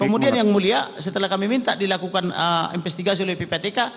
kemudian yang mulia setelah kami minta dilakukan investigasi oleh ppatk